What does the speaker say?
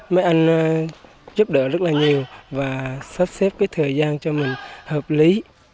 mấy anh giúp đỡ rất là nhiều và sắp xếp cái thời gian cho mình hợp lý